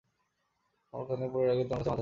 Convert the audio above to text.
আমার কাছে পরী লাগলে তোমার কাছে মাঝারি।